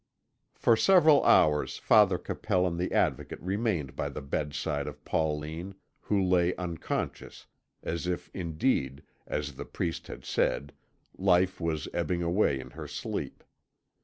For several hours Father Capel and the Advocate remained by the bedside of Pauline, who lay unconscious, as if indeed, as the priest had said, life was ebbing away in her sleep.